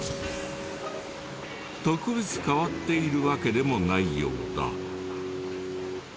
特別変わっているわけでもないようだ。